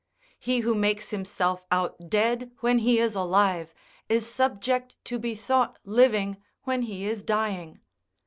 He who makes himself out dead when he is alive, is subject to be thought living when he is dying.